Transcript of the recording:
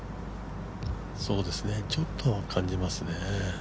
そうですね、ちょっと感じますね。